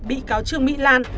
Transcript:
bị cáo trương mỹ lan